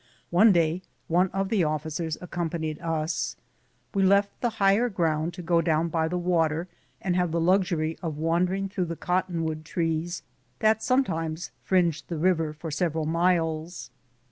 One day one of tlie officera accompanied us. We left tlie higlier ground to go down by the water and have the luxury of wandering through the cottonwood trees that sometimes fringed the river for several miles.